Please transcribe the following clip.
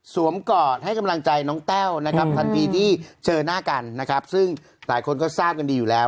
กอดให้กำลังใจน้องแต้วนะครับทันทีที่เจอหน้ากันนะครับซึ่งหลายคนก็ทราบกันดีอยู่แล้ว